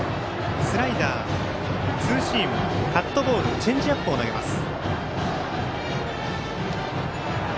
スライダー、ツーシームカットボールチェンジアップを投げます。